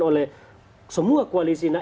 oleh semua koalisinya